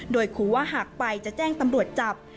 โดยครูว่าหากไปจะแจ้งตำรวจจับ